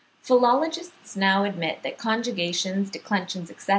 Philologists now admit that conjugations, declensions, etc.